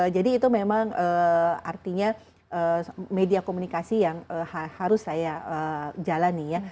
jadi itu memang artinya media komunikasi yang harus saya jalani ya